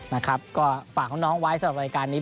นะครับก็ฝากน้องไว้สำหรับรายการนี้